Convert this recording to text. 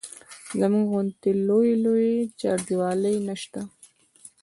زموږ غوندې لویې لویې چاردیوالۍ نه شته.